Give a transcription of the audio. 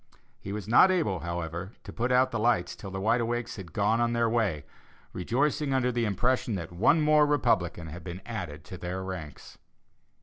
He was not able, however, to put out the lights till the Wide Awakes had gone on their way rejoicing under the impression that one more Republican had been added to their ranks.